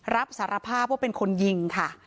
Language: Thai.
รับสารภาพว่าเป็นคนยิงค่ะ